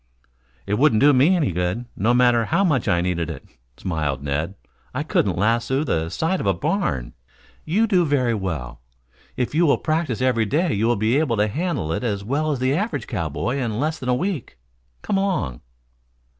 "It wouldn't do me any good, no matter how much I needed it," smiled Ned. "I couldn't lasso the side of a barn." "You do very well. If you will practise every day you will be able to handle it as well as the average cowboy in less than a week. Come along."